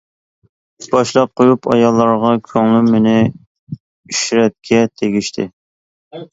باشلاپ قويۇپ ئاياللارغا كۆڭلۈم مېنى ئىشرەتكە تېگىشتى.